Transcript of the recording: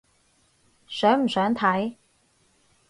想唔想睇？